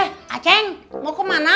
eh aceng mau kemana